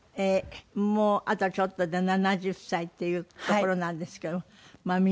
もうあとちょっとで７０歳っていうところなんですけども。